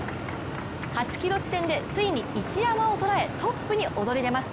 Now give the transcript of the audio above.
８ｋｍ地点でついに一山を捉えトップに躍り出ます。